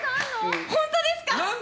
本当ですか？